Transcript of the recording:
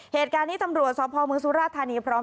เหตุการณ์นี้ตำรวจสพเมืองสุราธานีพร้อม